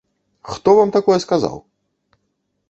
Хто вам такое сказаў?